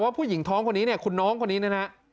ว่าผู้หญิงท้องคนน้องคนนี้นะครับ